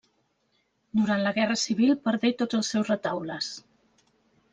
Durant la guerra civil perdé tots els seus retaules.